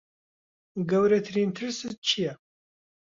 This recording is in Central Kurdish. گەورەترین ترست چییە؟